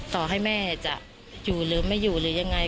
ต่อให้แม่จะอยู่หรือไม่อยู่หรือยังไง